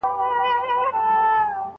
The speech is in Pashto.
د پايکوبۍ د څو ښايستو پيغلو آواز پورته شو